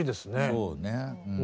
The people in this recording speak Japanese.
そうね。